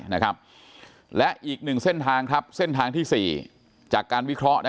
นะครับและอีกหนึ่งเส้นทางครับเส้นทางที่สี่จากการวิเคราะห์